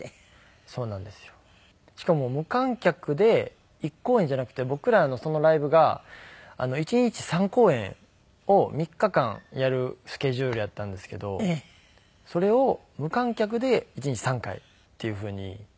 しかも無観客で１公演じゃなくて僕らのそのライブが１日３公演を３日間やるスケジュールやったんですけどそれを無観客で１日３回っていうふうに。